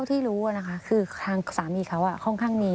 ก็ที่รู้อะค่ะคือคลักษณีย์เขาก็ค่อนข้างมี